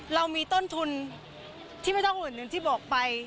เรามีต้นทุนที่ไม่เท่าคนอื่นที่บอกไป